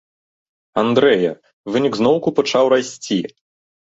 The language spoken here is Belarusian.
Андрэя, вынік зноўку пачаў расці.